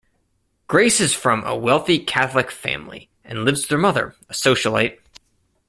Grace is from a wealthy Catholic family and lives with her mother, a socialite.